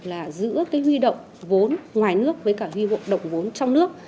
là giữ huy động vốn ngoài nước với cả huy động vốn trong nước